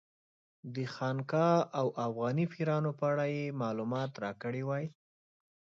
د خانقا او افغاني پیرانو په اړه یې معلومات راکړي وای.